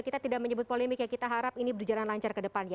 kita tidak menyebut polemik ya kita harap ini berjalan lancar ke depan ya